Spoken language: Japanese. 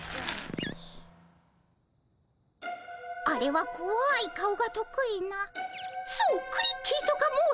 あれはこわい顔が得意なそうクリッキーとか申す子鬼。